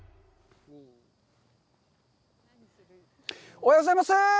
おはようございますー！